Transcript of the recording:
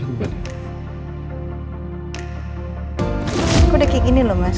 udah kayak gini loh mas